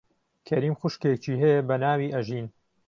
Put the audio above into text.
کەریم خوشکێکی هەیە بە ناوی ئەژین.